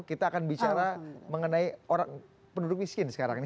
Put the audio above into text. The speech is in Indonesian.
kita akan bicara mengenai penduduk miskin sekarang